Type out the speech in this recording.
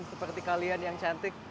seperti kalian yang cantik